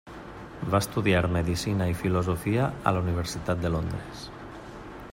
Va estudiar medicina i filosofia a la Universitat de Londres.